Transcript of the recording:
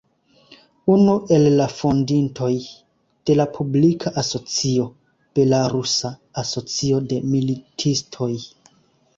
Unu el la fondintoj de la publika asocio "Belarusa Asocio de Militistoj.